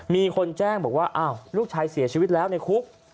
มีคนแจ้งบอกว่าอ้าวลูกชายเสียชีวิตแล้วในคุก